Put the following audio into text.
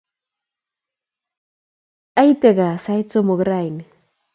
Aite kaa sait somok raini